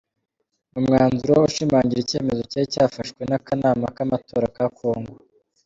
Ni umwanzuro ushimangiye icyemezo cyari cyafashwe n'akanama k'amatora ka Kongo.